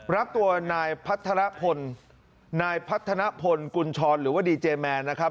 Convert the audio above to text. รับตัวนายพัฒนพลกุญชรหรือว่าดีเจแมนนะครับ